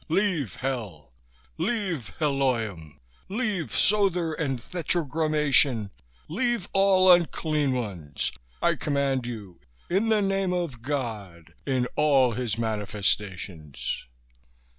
Leave, Hel! Leave, Heloym! Leave, Sother and Thetragrammaton, leave, all unclean ones! I command you! In the name of God, in all of His manifestations!"